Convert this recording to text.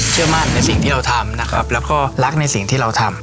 เชื่อมั่นในสิ่งที่เราทำนะครับแล้วก็รักในสิ่งที่เราทำ